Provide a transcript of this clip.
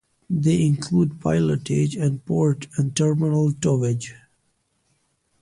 They include pilotage and port and terminal towage.